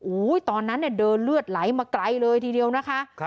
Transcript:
โอ้โหตอนนั้นเนี่ยเดินเลือดไหลมาไกลเลยทีเดียวนะคะ